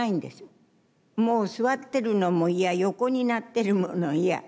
もう座ってるのも嫌横になってるのも嫌。